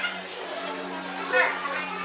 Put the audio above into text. น้องน้องได้อยู่ทั้งส่วน